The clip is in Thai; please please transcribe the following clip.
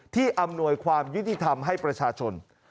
อำนวยความยุติธรรมให้ประชาชน